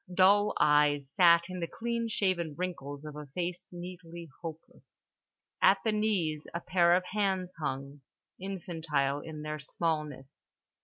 Dull eyes sat in the clean shaven wrinkles of a face neatly hopeless. At the knees a pair of hands hung, infantile in their smallness.